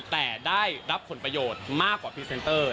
แต่ได้รับผลประโยชน์มากกว่าพรีเซนเตอร์